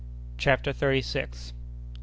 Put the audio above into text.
CHAPTER THIRTY SIXTH.